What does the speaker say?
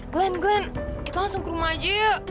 glenn glenn kita langsung ke rumah aja ya